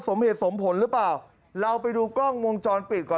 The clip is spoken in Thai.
สมเหตุสมผลหรือเปล่าเราไปดูกล้องวงจรปิดก่อน